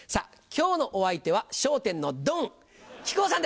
今日のお相手は『笑点』のドン木久扇さんです！